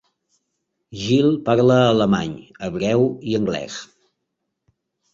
Gil parla alemany, hebreu i anglès.